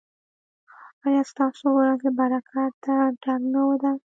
ایا ستاسو ورځ له برکته ډکه نه ده؟